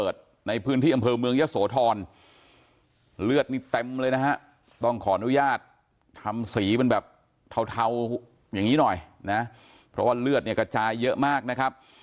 ขออนุญาตทำสีมันแบบเทาอย่างนี้หน่อยนะเพราะว่าเลือดเนี่ยกระจายเยอะมากนะครับ